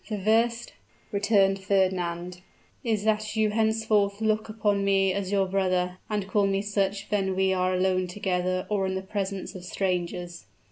"The first," returned Fernand, "is that you henceforth look upon me as your brother, and call me such when we are alone together or in the presence of strangers.